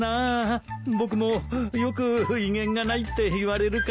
僕もよく威厳がないって言われるから。